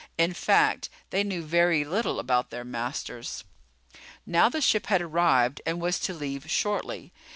In fact, they knew very little about their masters. Now the ship had arrived and was to leave shortly.